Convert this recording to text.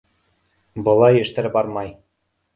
Былай эштәр бармай.